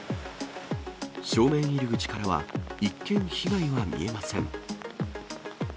正面入り口からは一見、被害は見えません。